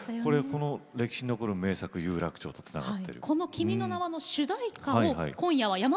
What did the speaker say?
歴史に残る名作、有楽町とつながっている。